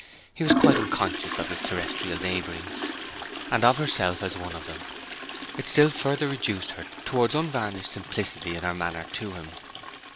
He was quite unconscious of his terrestrial neighbourings, and of herself as one of them. It still further reduced her towards unvarnished simplicity in her manner to him.